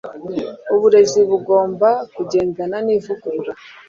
Uburezi Bugomba Kugendana Nivugurura